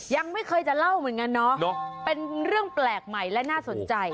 ยังไม่เคยจะเล่าเหมือนกันเนาะเป็นเรื่องแปลกใหม่และน่าสนใจ